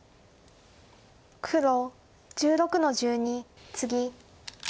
黒１６の十二ツギ。